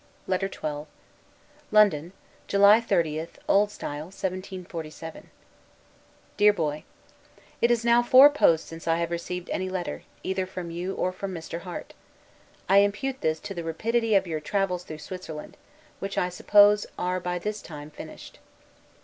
LETTER XII LONDON, July 30, O. S. 1747 DEAR BOY: It is now four posts since I have received any letter, either from you or from Mr. Harte. I impute this to the rapidity of your travels through Switzerland; which I suppose are by this time finished.